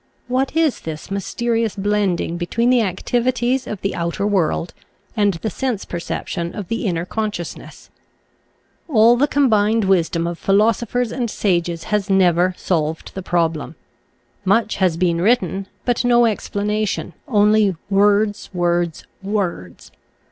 What is this mysterious Original from UNIVERSITY OF WISCONSIN Souti6. 61 blending between the activities of the outer world and the sense perception of the inner consciousness? All the combined wisdom of philosophers and sages has never solved the problem. Much has been written, but no ex* planation, only words, words, words.